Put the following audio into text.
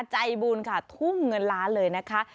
ใจบุญค่ะทุ่มเงินล้านเลยนะคะ